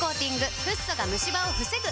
フッ素がムシ歯を防ぐ！